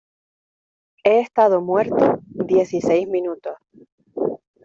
he estado muerto dieciséis minutos.